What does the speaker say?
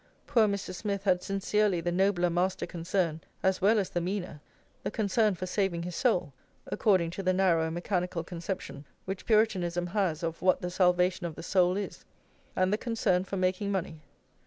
Poor Mr. Smith had sincerely the nobler master concern as well as the meaner, the concern for saving his soul (according to the narrow and mechanical conception which Puritanism has of what the salvation of the soul is), and the concern for making money.